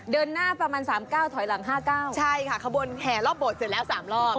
เดินหน้าประมาณ๓๙ถอยหลัง๕๙ใช่ค่ะขบวนแห่รอบโบสถเสร็จแล้ว๓รอบ